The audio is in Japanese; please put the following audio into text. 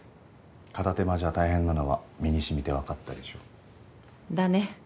片手間じゃ大変なのは身にしみてわかったでしょ。だね。